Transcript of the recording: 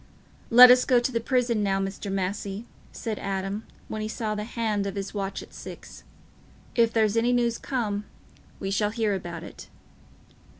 "Let us go to the prison now, Mr. Massey," said Adam, when he saw the hand of his watch at six. "If there's any news come, we shall hear about it."